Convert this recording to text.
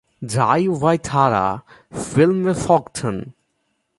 Drei weitere Filme folgten.